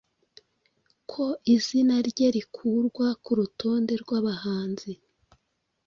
ko izina rye rikurwa ku rutonde rw'abahanzi